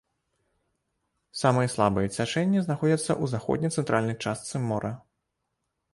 Самыя слабыя цячэнні знаходзяцца ў заходне-цэнтральнай частцы мора.